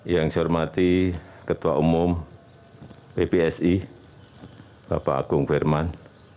yang saya hormati ketua umum bpsi bapak agung ferman